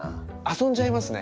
遊んじゃいますね。